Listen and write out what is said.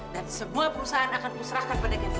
dan semua perusahaan akan usrahkan pada kevin